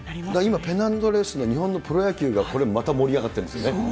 今ペナントレースが日本のプロ野球がこれまた盛り上がってるんですよね。